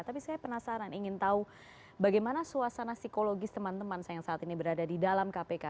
tapi saya penasaran ingin tahu bagaimana suasana psikologis teman teman yang saat ini berada di dalam kpk